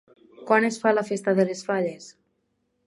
Quan es fa la festa de les falles?